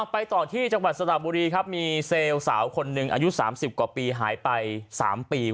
ไปต่อที่จังหวัดสระบุรีครับมีเซลล์สาวคนหนึ่งอายุ๓๐กว่าปีหายไป๓ปี